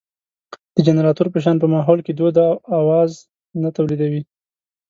د جنراتور په شان په ماحول کې دود او اواز نه تولېدوي.